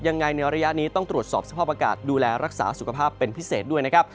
ในระยะนี้ต้องตรวจสอบสภาพอากาศดูแลรักษาสุขภาพเป็นพิเศษด้วยนะครับ